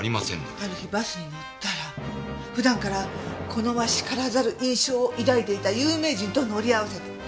あの日バスに乗ったら普段から好ましからざる印象を抱いていた有名人と乗り合わせた。